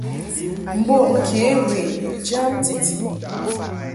Mbom kě we jam titi.